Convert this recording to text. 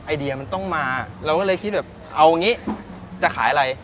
เดียมันต้องมาเราก็เลยคิดแบบเอางี้จะขายอะไร